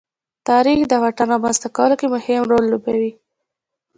تاریخ د واټن رامنځته کولو کې مهم رول لوبوي.